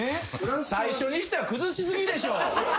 最初にしては崩し過ぎでしょ。